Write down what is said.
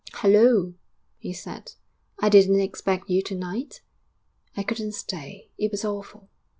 'Hulloa!' he said. 'I didn't expect you to night.' 'I couldn't stay; it was awful.'